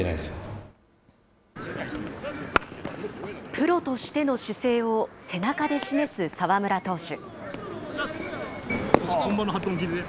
プロとしての姿勢を背中で示す澤村投手。